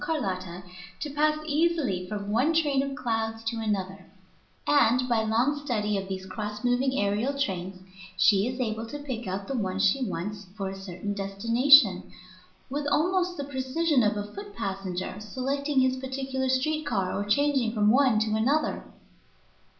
Carlotta to pass easily from one train of clouds to another, and, by long study of these cross moving aërial trains, she is able to pick out the one she wants for a certain destination with almost the precision of a foot passenger selecting his particular street car or changing from one to another.